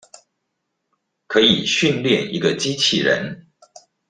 可以訓練一個機器人